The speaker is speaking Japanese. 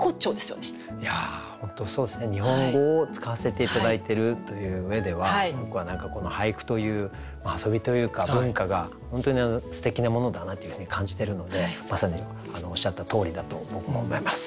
日本語を使わせて頂いてるという上では僕は何かこの俳句という遊びというか文化が本当にすてきなものだなというふうに感じてるのでまさにおっしゃったとおりだと僕も思います